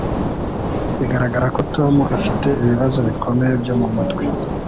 Biragaragara ko Tom afite ibibazo bikomeye byo mumutwe